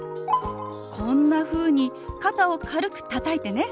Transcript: こんなふうに肩を軽くたたいてね。